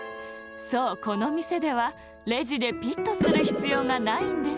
そうこの店ではレジでピッとするひつようがないんです。